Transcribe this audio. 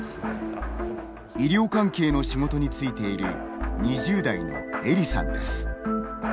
医療関係の仕事に就いている２０代のエリさんです。